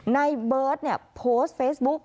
ในเบิร์ตโพสต์เฟซบุ๊ก